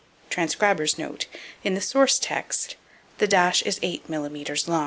Transcriber's note: in the source text, this dash is eight millimeters long.